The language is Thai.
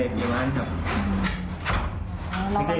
ขอเห็นจ่าเป็นไง